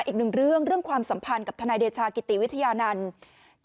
อีกหนึ่งเรื่องเรื่องความสัมพันธ์กับทนายเดชากิติวิทยานันต์